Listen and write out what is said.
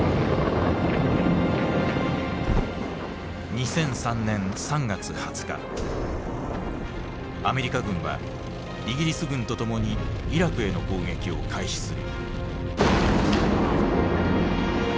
２００３年３月２０日アメリカ軍はイギリス軍とともにイラクへの攻撃を開始する。